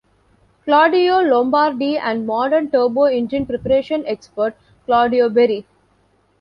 Claudio Lombardi, and modern Turbo-engine preparation expert, Claudio Berri.